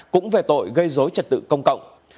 cũng về tội gây dối trật tự công cộng